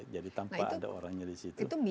jadi tanpa ada orangnya di situ